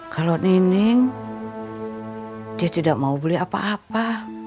kalau nining dia tidak mau beli apa apa